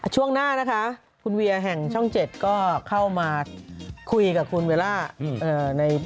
ช่วงหน้านะคะคุณเวียแห่งช่อง๗ก็เข้ามาคุยกับคุณเวลา